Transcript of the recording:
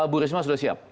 bu risma sudah siap